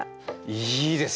いいです！